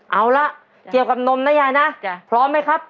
เอาละเกี่ยวกับนมนะยายนะพร้อมไหมครับ